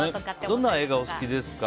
どんな映画お好きですか？